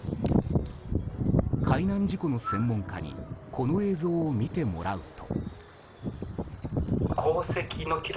海難事故の専門家にこの映像を見てもらうと。